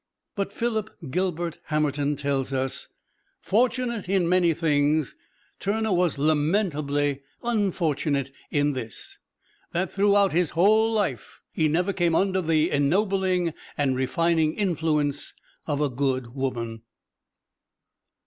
But Philip Gilbert Hamerton tells us, "Fortunate in many things, Turner was lamentably unfortunate in this: that throughout his whole life he never came under the ennobling and refining influence of a good woman."